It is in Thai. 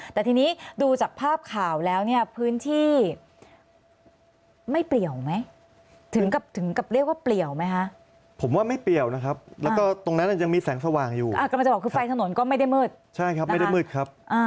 แต่ทีนี้ดูจากภาพข่าวแล้วเนี่ยพื้นที่ไม่เปรียวไหมถึงกับเรียกว่าเปรียวไหมคะ